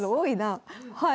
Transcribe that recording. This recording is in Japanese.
はい。